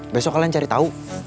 besok kalian cari tahu